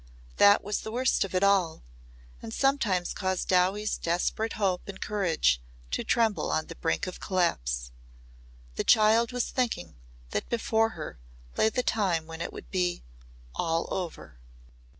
That was the worst of it all and sometimes caused Dowie's desperate hope and courage to tremble on the brink of collapse. The child was thinking that before her lay the time when it would be "all over."